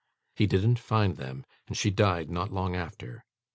He didn't find them, and she died not long after.